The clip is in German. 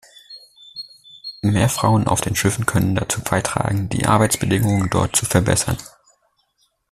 Mehr Frauen auf den Schiffen können dazu beitragen, die Arbeitsbedingungen dort zu verbessern.